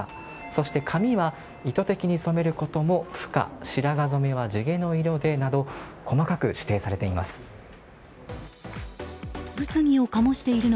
そして髪は意図的に染めることも不可白髪染めは地毛の色でなど細かく指定されています。